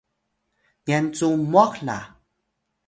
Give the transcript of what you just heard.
nyan cu mwah la!